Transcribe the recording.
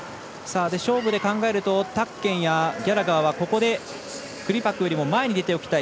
勝負で考えるとタッケンやギャラガーはここでクリパクよりも前に出ておきたい。